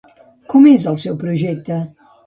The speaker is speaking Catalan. Com és el seu projecte?